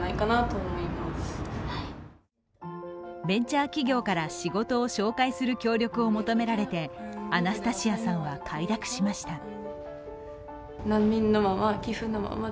ベンチャー企業から仕事を紹介する協力を求められてアナスタシアさんは快諾しました。